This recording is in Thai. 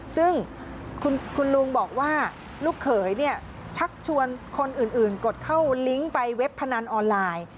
ซึ่งคุณลุงบอกว่าลูกเขยชักชวนคนอื่นกดเข้าลิงก์ไปเว็บพนันออนไลน์